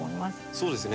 そうですね。